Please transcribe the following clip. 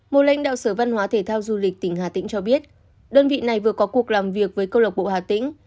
một lãnh đạo sở văn hóa thể thao du lịch tỉnh hà tĩnh cho biết đơn vị này vừa có cuộc làm việc với câu lạc bộ hà tĩnh